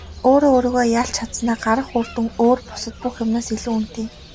Өөрөө өөрийгөө ялж чадсанаа гарах үр дүн өөр бусад бүх юмнаас илүү үнэтэй.